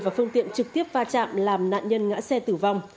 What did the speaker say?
và phương tiện trực tiếp va chạm làm nạn nhân ngã xe tử vong